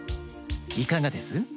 いかがです？